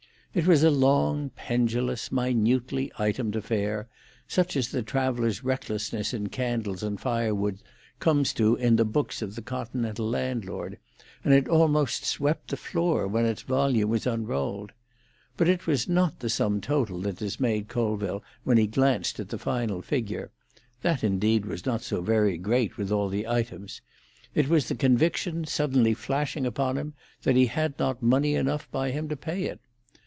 It was a long, pendulous, minutely itemed affair, such as the traveller's recklessness in candles and firewood comes to in the books of the Continental landlord, and it almost swept the floor when its volume was unrolled. But it was not the sum total that dismayed Colville when he glanced at the final figure; that, indeed, was not so very great, with all the items; it was the conviction, suddenly flashing upon him, that he had not money enough by him to pay it.